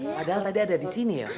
padahal tadi ada di sini ya